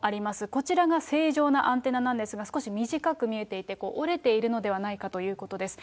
こちらが正常なアンテナなんですが、少し短く見えていて、折れているのではないかということです。